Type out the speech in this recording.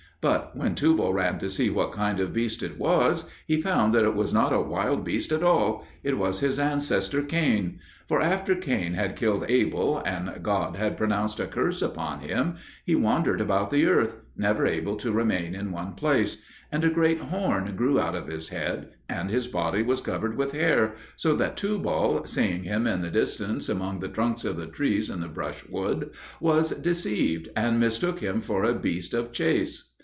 But when Tubal ran to see what kind of beast it was, he found that it was not a wild beast at all. It was his ancestor Cain. For after Cain had killed Abel, and God had pronounced a curse upon him, he wandered about the earth, never able to remain in one place; and a great horn grew out of his head, and his body was covered with hair; so that Tubal, seeing him in the distance among the trunks of the trees and the brushwood, was deceived, and mistook him for a beast of chase.